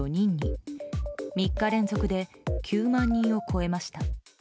３日連続で９万人を超えました。